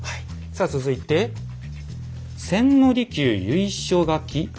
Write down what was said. さあ続いて「千利休由緒書」ですか？